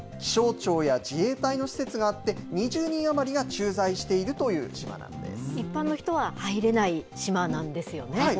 気象庁や自衛隊の施設があって、２０人余りが駐在しているという島なんです。